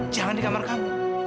jangan di kamar kamu